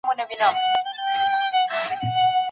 خاوند نسي کولای په يوازي ځان ټول مسئوليتونه واخلي.